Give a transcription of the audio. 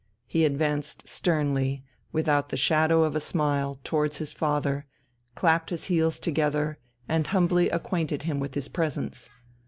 He advanced sternly, without the shadow of a smile, towards his father, clapped his heels together and humbly acquainted him with his presence.